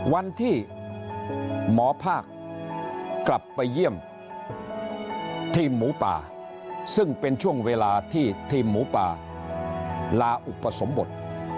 วันที่หมอภาคกลับไปเยี่ยมทีมหมูป่าซึ่งเป็นช่วงเวลาที่ทีมหมูป่าลาอุปสมบท